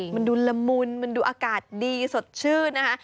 มันดูละมุนมันดูอากาศดีสดชื่นนะคะ